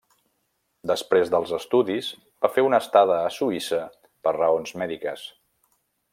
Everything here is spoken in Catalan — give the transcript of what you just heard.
Després dels estudis, va fer una estada a Suïssa per raons mèdiques.